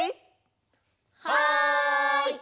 はい！